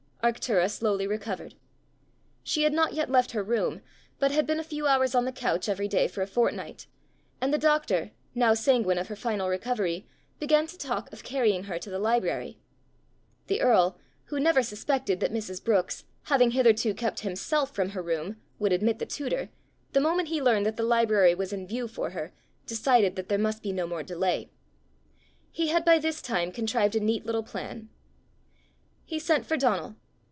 Arctura slowly recovered. She had not yet left her room, but had been a few hours on the couch every day for a fortnight, and the doctor, now sanguine of her final recovery, began to talk of carrying her to the library. The earl, who never suspected that Mrs. Brookes, having hitherto kept himself from her room, would admit the tutor, the moment he learned that the library was in view for her, decided that there must be no more delay. He had by this time contrived a neat little plan. He sent for Donal.